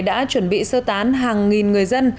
đã chuẩn bị sơ tán hàng nghìn người dân